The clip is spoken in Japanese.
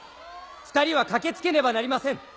２人は駆けつけねばなりません！